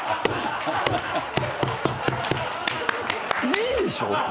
いいでしょ。